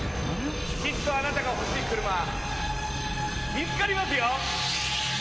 きっとあなたが欲しい車見つかりますよ！